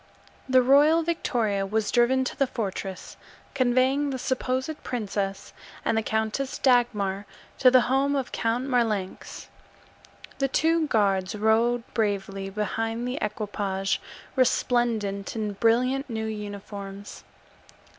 The royal victoria was driven to the fortress, conveying the supposed princess and the Countess Dagmar to the home of Count Marlanx. The two guards rode bravely behind the equipage, resplendent in brilliant new uniforms.